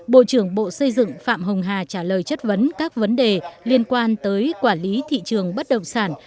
bộ trưởng bộ xây dựng phạm hồng hà trả lời chất vấn các vấn đề liên quan tới quản lý thị trường bất động sản